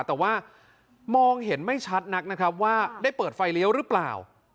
แต่ว่ามองเห็นไม่ชัดนักนะครับว่าได้เปิดไฟเลี้ยวหรือเปล่า